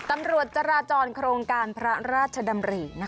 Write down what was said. ตำรวจจราจรโครงการพระราชดำริ